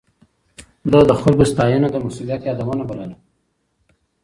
ده د خلکو ستاينه د مسؤليت يادونه بلله.